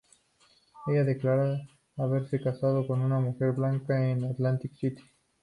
Ella declaraba haberse casado con una mujer blanca en Atlantic City.